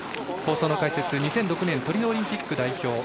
放送の解説、２００６年トリノオリンピック代表